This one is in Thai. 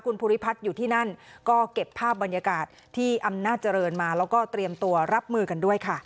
คุณภูริพัฒน์อยู่ที่นั่นก็เก็บภาพบรรยากาศที่อำนาจเจริญมาแล้วก็เตรียมตัวรับมือกันด้วยค่ะ